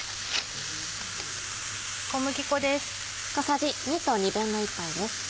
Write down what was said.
小麦粉です。